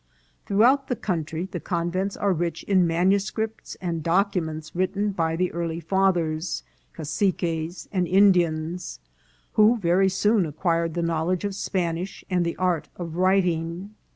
Throughout the country the convents are rich in manu scripts and documents written by the early fathers, ca ciques, and Indians, who very soon acquired the knowl edge of Spanish and the art of writing.